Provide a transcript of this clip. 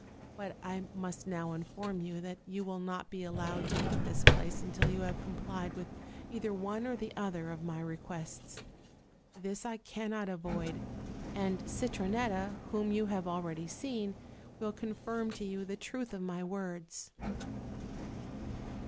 But I must now inform you that you will not be allowed to quit this place until you have complied with either one or the other of my requests; this I cannot avoid, and Citronetta, whom you have already seen, will confirm to you the truth of my words,' OLD, OLD FAIRY TALES.